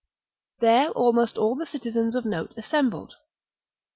There almost all the citizens of note assembled.